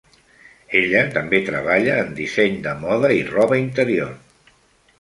Ella també treballa en disseny de moda i roba interior.